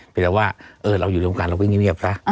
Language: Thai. เพียงแต่ว่าเออเราอยู่ในวงการเราเป็นเงียบซะ